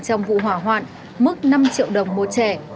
trong vụ hỏa hoạn mức năm triệu đồng một trẻ